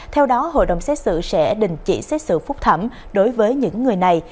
theo đó hội đồng xét xử sẽ đình chỉ xét xử phúc thẩm đối với những người này